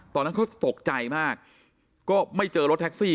ตอนนั้นเขาตกใจมากก็ไม่เจอรถแท็กซี่